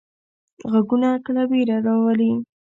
غږونه کله ویره راولي.